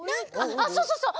あっそうそうそう！